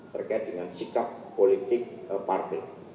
terkait dengan sikap politik partai